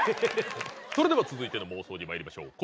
それでは続いての妄想に参りましょう。